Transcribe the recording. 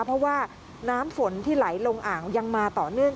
เพราะว่าน้ำฝนที่ไหลลงอ่างยังมาต่อเนื่อง